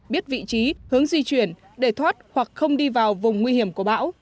biết vị trí hướng di chuyển để thoát hoặc không đi vào vùng nguy hiểm của bão